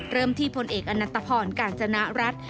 เริ่มที่ผลเอกอนัตภรกาญจนารัฐ